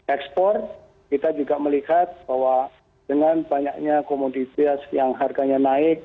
ekspor kita juga melihat bahwa dengan banyaknya komoditas yang harganya naik